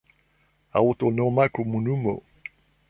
Aŭtonoma Komunumo.